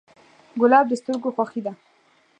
ګلاب د سترګو خوښي ده.